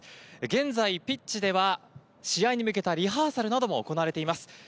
現在ピッチでは試合に向けたリハーサルなども行われています。